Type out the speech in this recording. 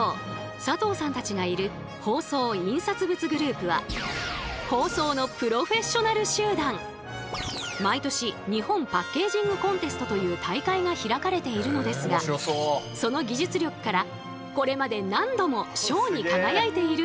佐藤さんたちがいる包装・印刷物グループは毎年日本パッケージングコンテストという大会が開かれているのですがその技術力からこれまで何度も賞に輝いているんです。